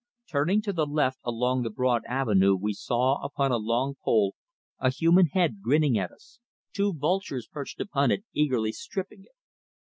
Turning to the left along the broad avenue we saw upon a long pole a human head grinning at us, two vultures perched upon it eagerly stripping it.